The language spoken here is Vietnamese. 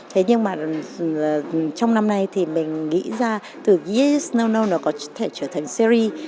thế nhưng mà trong năm nay thì mình nghĩ ra từ yes yes no no nó có thể trở thành series